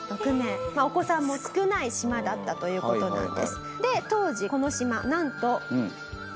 お子さんも少ない島だったという事なんです。